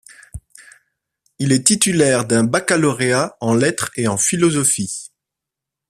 Il est titulaire d'un baccalauréat en lettres et en philosophie.